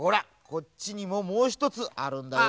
こっちにももうひとつあるんだよ。